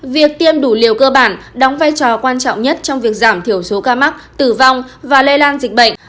việc tiêm đủ liều cơ bản đóng vai trò quan trọng nhất trong việc giảm thiểu số ca mắc tử vong và lây lan dịch bệnh